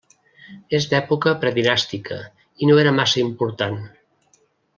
És d'època predinàstica, i no era massa important.